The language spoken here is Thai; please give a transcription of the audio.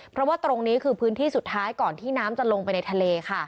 เพราะว่าตรงนี้คือพื้นที่สุดท้ายก่อนที่น้ำจะลงไปในทะเลค่ะ